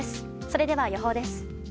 それでは予報です。